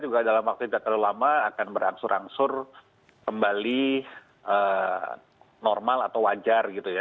saya kira juga dalam aktivitas terlalu lama akan berangsur angsur kembali normal atau wajar gitu ya